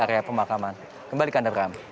ke mahkamah kembalikan dedy